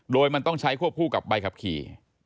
โดยมันต้องใช้ควบคู่กับใบขับขี่